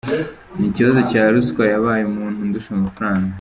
Ni ikibazo cya ruswa, yabaye umuntu undusha amafaranga.